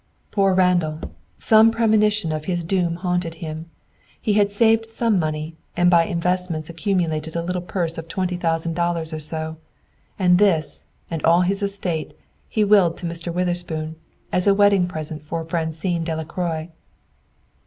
"Poor Randall! Some premonition of his doom haunted him. He had saved some money, and by investments accumulated a little purse of twenty thousand dollars or so. And this, and all his estate, he willed to Mr. Witherspoon, as a wedding present for Francine Delacroix!"